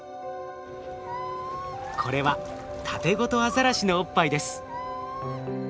これはタテゴトアザラシのおっぱいです。